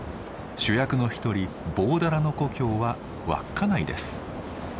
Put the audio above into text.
主役の一人棒だらの故郷は稚内です。